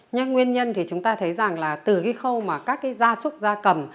nhân nguyên nhân thì chúng ta thấy rằng là từ cái khâu mà các cái da súc da cầm